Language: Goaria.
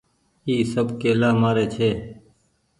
اي سب ڪيلآ مآري ڇي۔